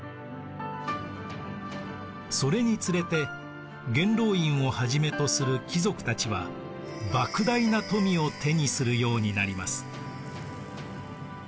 それにつれて元老院をはじめとする貴族たちはばく大な富を手にするようになります。